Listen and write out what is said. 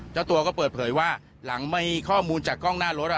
เจ้าตัวก็เปิดเผยว่าหลังมีข้อมูลจากกล้องหน้ารถ